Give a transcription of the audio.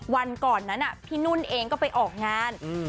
วันก่อนพี่นุนก็ไปออกงาน